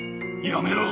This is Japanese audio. やめろ。